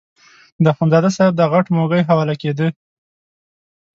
د اخندزاده صاحب دا غټ موږی حواله کېده.